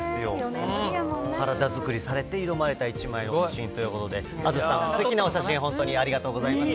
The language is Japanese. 体作りをされて挑まれたお写真ということで、あづさん、すてきなお写真本当にありがとうございました。